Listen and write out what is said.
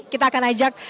kita akan ajak